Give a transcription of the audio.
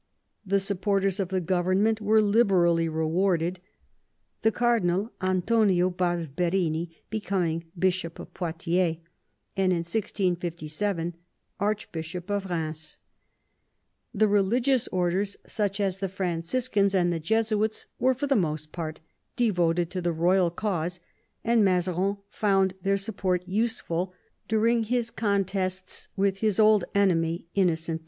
The supporters of the government were liberally rewarded ; the Cardinal Antonio Barberini be coming Bishop of Poitiers, and in 1657 Archbishop of Eheims. The religious orders, such as the Franciscans 108 MAZABIN chap. and the Jesuits, were for the most part devoted to the royal cause, and Mazarin found their support useful during his contests with his old enemy Innocent X.